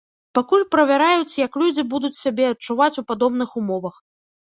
Пакуль правяраюць, як людзі будуць сябе адчуваць у падобных умовах.